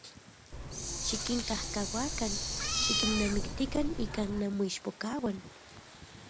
Xikinkajkauakan, xikinnamiktikan ika nanmoichpokauan.